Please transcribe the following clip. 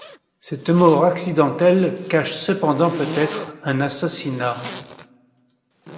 Cette mort accidentelle cache cependant peut-être un assassinat.